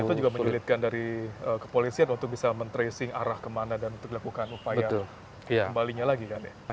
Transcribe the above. dan itu juga menyulitkan dari kepolisian untuk bisa men tracing arah kemana dan untuk dilakukan upaya kembalinya lagi kan ya